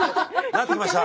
なってきました！